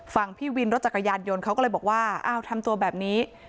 ฝั่งพี่วินรถจักรยานยนต์เขาก็เลยบอกว่าอ้าวทำตัวแบบนี้